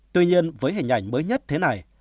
tuy nhiên với hình ảnh mới nhất thế này